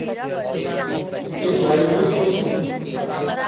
ان کی اس بارے میں کوئی سوچ نہیں؟